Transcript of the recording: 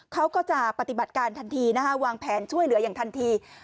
เขาก็จะปฏิบัติการทันทีนะคะวางแผนช่วยเหลืออย่างทันที